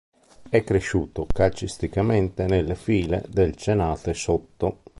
È cresciuto calcisticamente nelle file del Cenate Sotto.